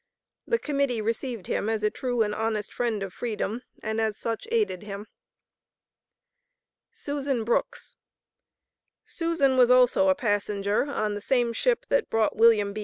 The Committee received him as a true and honest friend of freedom, and as such aided him. SUSAN BROOKS. Susan was also a passenger on the same ship that brought Wm.